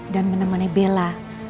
dan menemani bella